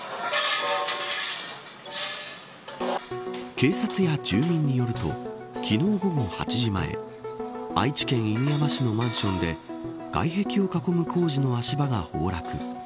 警察や住民によると昨日午後８時前愛知県犬山市のマンションで外壁を囲む工事の足場が崩落。